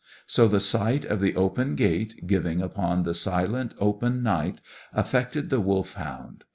So the sight of the open gate, giving upon the silent open night, affected the Wolfhound.